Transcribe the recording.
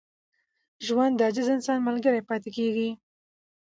ژوند د عاجز انسان ملګری پاتې کېږي.